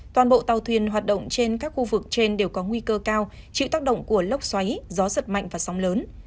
toàn bộ tàu thuyền hoạt động trên các khu vực trên đều có nguy cơ cao chịu tác động của lốc xoáy gió giật mạnh và sóng lớn